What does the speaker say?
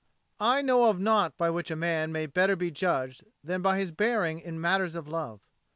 I know of naught by which a man may better be judged than by his bearing in matters of love.